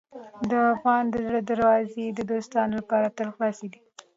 د افغان د زړه دروازې د دوستانو لپاره تل خلاصې دي.